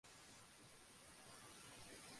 নিজাম সাহেব বললেন, কিছু বলবি?